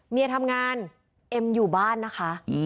เมียทำงานเอ็มอยู่บ้านนะคะ